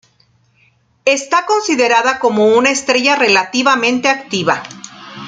Está considerada como una estrella relativamente activa.